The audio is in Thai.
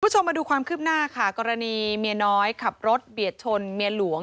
คุณผู้ชมมาดูความคืบหน้าค่ะกรณีเมียน้อยขับรถเบียดชนเมียหลวง